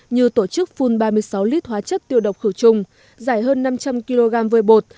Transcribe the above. như tổ chức phun ba mươi sáu lít hóa chất tiêu độc khử trùng giải hơn năm trăm linh kg vôi bột